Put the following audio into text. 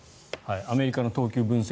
アメリカの投球分析